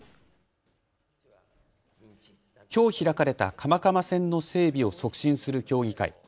きょう開かれた蒲蒲線の整備を促進する協議会。